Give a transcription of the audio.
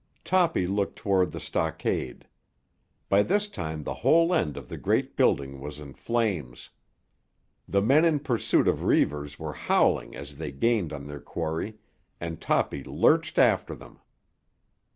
Toppy looked toward the stockade. By this time the whole end of the great building was in flames. The men in pursuit of Reivers were howling as they gained on their quarry, and Toppy lurched after them.